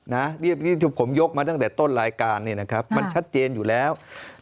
นี่ผมยกมาตั้งแต่ต้นรายการมันชัดเจนอยู่แล้ว